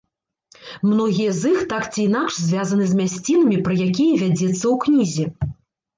Многія з іх так ці інакш звязаны з мясцінамі, пра якія вядзецца ў кнізе.